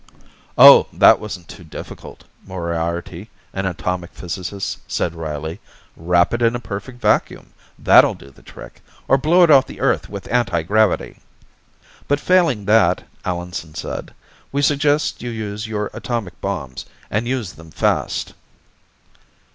"Oh, that wasn't too difficult," Moriarty, an atomic physicist, said wryly. "Wrap it in a perfect vacuum. That'll do the trick. Or blow it off the Earth with anti gravity." "But failing that," Allenson said, "we suggest you use your atomic bombs, and use them fast."